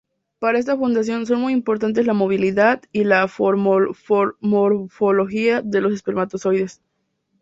Para esta función son muy importantes la movilidad y la morfología de los espermatozoides.